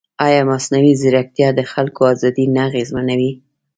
ایا مصنوعي ځیرکتیا د خلکو ازادي نه اغېزمنوي؟